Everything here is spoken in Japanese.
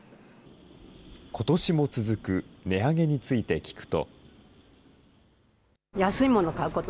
ことしも続く値上げについて聞くと。